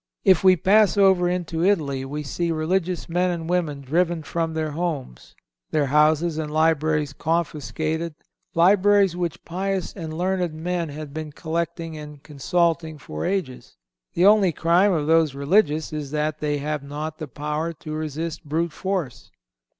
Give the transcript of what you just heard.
If we pass over into Italy we see religious men and women driven from their homes; their houses and libraries confiscated—libraries which pious and learned men had been collecting and consulting for ages. The only crime of those religious is that they have not the power to resist brute force.